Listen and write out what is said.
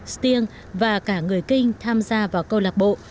stiêng và cả người kinh tham gia vào câu lạc bộ